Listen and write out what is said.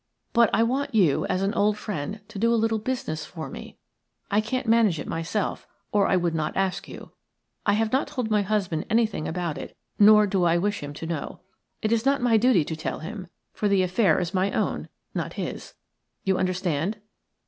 But I want you, as an old friend, to do a little business for me. I can't manage it myself, or I would not ask you. I have not told my husband anything about it, nor do I wish him to know. It is not my duty to tell him, for the affair is my own, not his. You understand?"